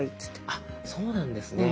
あそうなんですね。